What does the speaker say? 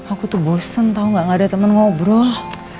aku tuh bosen tau gak ada temen ngobrol